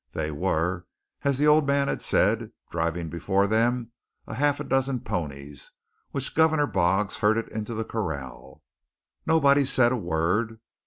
They were, as the old man had said, driving before them a half dozen ponies, which Governor Boggs herded into the corral. Nobody said a word.